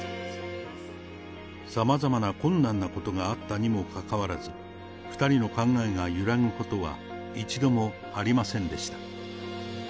さまざまな困難なことがあったにもかかわらず、２人の考えが揺らぐことは一度もありませんでした。